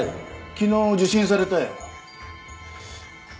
昨日受診されたよ。